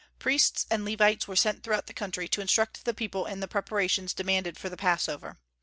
Priests and Levites were sent throughout the country to instruct the people in the preparations demanded for the Passover.